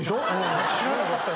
知らなかったです。